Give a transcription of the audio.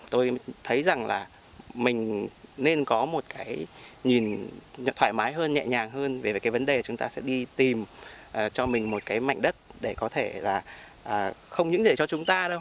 tôi thấy rằng là mình nên có một cái nhìn thoải thoải mái hơn nhẹ nhàng hơn về cái vấn đề chúng ta sẽ đi tìm cho mình một cái mảnh đất để có thể là không những để cho chúng ta đâu